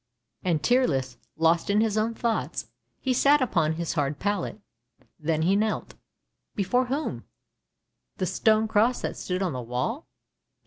" And tearless, lost in his own thoughts, he sat upon his hard pallet: then he knelt. Before whom? The stone cross that stood on the wall?